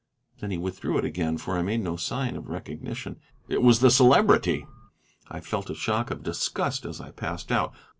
Then he withdrew it again, for I made no sign of recognition. It was the Celebrity! I felt a shock of disgust as I passed out.